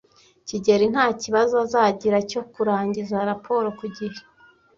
kigeli nta kibazo azagira cyo kurangiza raporo ku gihe.